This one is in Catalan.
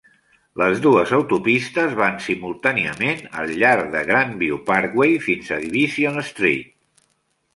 Les dues autopistes van simultàniament al llarg de Grandview Parkway fins a Division Street.